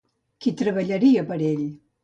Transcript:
Qui treballaria per ell?